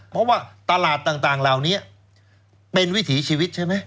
เพราะว่าตลาดต่างเหล่านี้เป็นวิถีชีวิตใช่ไหม